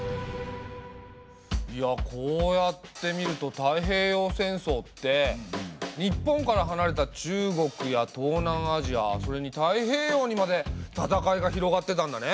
いやこうやって見ると太平洋戦争って日本からはなれた中国や東南アジアそれに太平洋にまで戦いが広がってたんだね。